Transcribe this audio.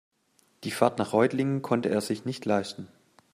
Die Fahrt nach Reutlingen konnte er sich nicht leisten